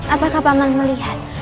apakah paman melihat